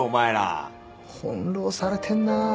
翻弄されてんなぁ。